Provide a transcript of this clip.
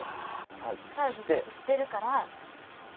サービスしてるから。